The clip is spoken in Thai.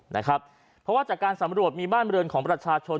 นะครับเพราะว่าจากการสำรวจมีบ้านบริเวณของประชาชน